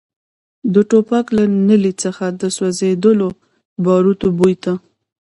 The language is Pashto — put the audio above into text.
د ټوپک له نلۍ څخه د سوځېدلو باروتو بوی ته.